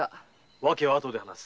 訳は後で話す。